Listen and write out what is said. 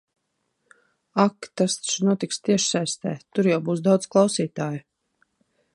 Ak! Tas taču notiks tiešsaitē. Tur jau būs daudz klausītāju.